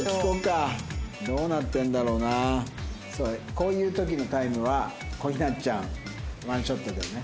こういう時のタイムは小日向ちゃんワンショットだよね。